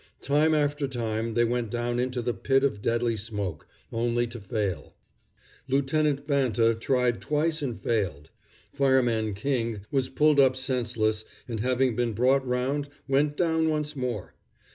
Time after time they went down into the pit of deadly smoke, only to fail. Lieutenant Banta tried twice and failed. Fireman King was pulled up senseless, and having been brought round, went down once more.